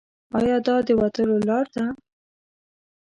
ایا دا د وتلو لار ده؟